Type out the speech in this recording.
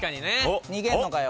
逃げんのかよ。